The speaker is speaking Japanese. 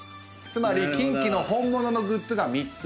つまりキンキの本物のグッズが３つ。